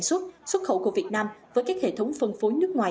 xuất xuất khẩu của việt nam với các hệ thống phân phối nước ngoài